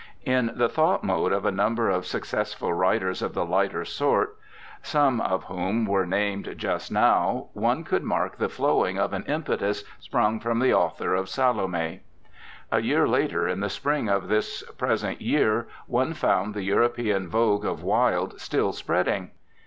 In the thought mode of a number of suc cessful writers of the lighter sort, some of 12 INTRODUCTION whom were named just now, one could mark the flowing of an impetus sprung from the author of "Salome." A year later, in the spring of this pres ent year, one found the European vogue of Wilde still spreading.